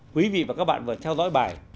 quý vị và các bạn vừa theo dõi bài